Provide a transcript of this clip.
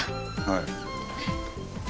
はい。